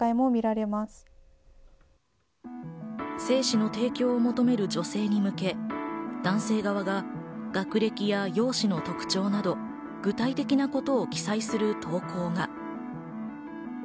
精子の提供を求める女性に向け、男性側が学歴や容姿の特徴など具体的なことを記載する投稿が。